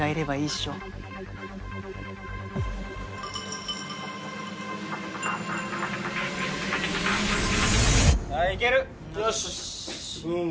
っしょはいいけるよしうん